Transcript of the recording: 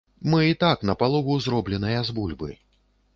Мы і так напалову зробленыя з бульбы.